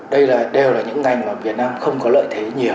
đây đều là những ngành mà việt nam không có lợi thế nhiều